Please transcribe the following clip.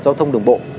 giao thông đường bộ